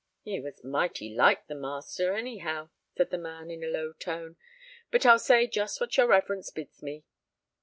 "He was mighty like the master, any how," said the man, in a low tone; "but I'll say just what your reverence bids me."